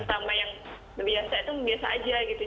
kalau hitam yang biasa itu biasa aja gitu